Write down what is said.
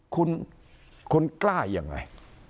คุณกล้ายยังไง